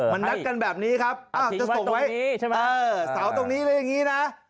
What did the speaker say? มันนัดกันแบบนี้ครับจะส่งไว้เสาตรงนี้หรืออย่างนี้นะ